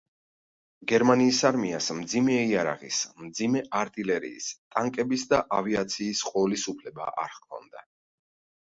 გერმანიის არმიას მძიმე იარაღის, მძიმე არტილერიის, ტანკების და ავიაციის ყოლის უფლება არ ჰქონდა.